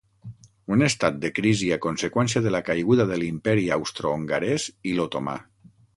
Un estat de crisi a conseqüència de la caiguda de l'Imperi Austrohongarès i l'Otomà.